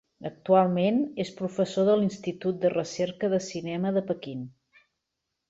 Actualment és professor a l'Institut de Recerca del Cinema de Pequín.